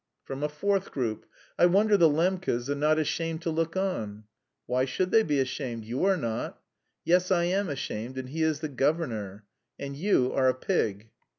From a fourth group: "I wonder the Lembkes are not ashamed to look on!" "Why should they be ashamed? You are not." "Yes, I am ashamed, and he is the governor." "And you are a pig."